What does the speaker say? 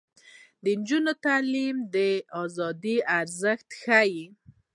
د نجونو تعلیم د ازادۍ ارزښت ښيي.